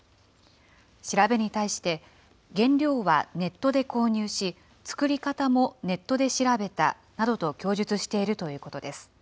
調べに対して、原料はネットで購入し、作り方もネットで調べたなどと供述しているということです。